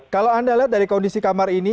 kalau anda lihat dari kondisi kamar ini